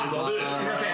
すいません。